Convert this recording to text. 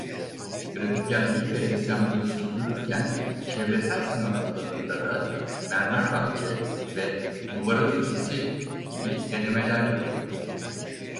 Grafikerliği ve ressamlığı sürdürürken çevresel sanat alanında da "Mermer Bahçe" ve "Duvarın Ötesi" gibi denemeler yaptı.